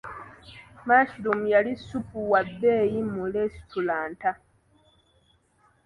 Mushroom yali ssupu wa bbeyi mu lesitulanta.